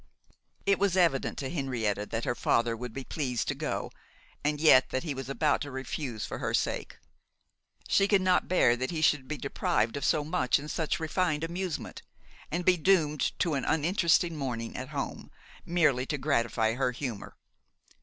It was evident to Henrietta that her father would be pleased to go, and yet that he was about to refuse for her sake. She could not bear that he should be deprived of so much and such refined amusement, and be doomed to an uninteresting morning at home, merely to gratify her humour.